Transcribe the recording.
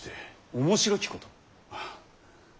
面白きこと？はあ。